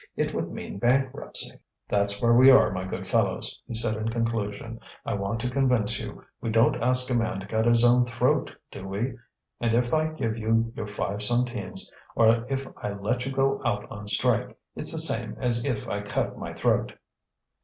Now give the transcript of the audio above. It would mean bankruptcy. "That's where we are, my good fellows," he said, in conclusion. "I want to convince you. We don't ask a man to cut his own throat, do we? and if I give you your five centimes, or if I let you go out on strike, it's the same as if I cut my throat."